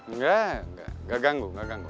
enggak enggak gak ganggu gak ganggu